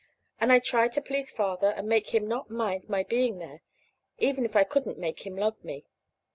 And I'd try to please Father, and make him not mind my being there, even if I couldn't make him love me.